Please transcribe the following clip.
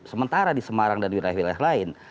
sementara di semarang dan wilayah wilayah lain